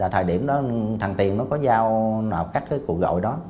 thời điểm đó thằng tiền có giao các cuộc gọi đó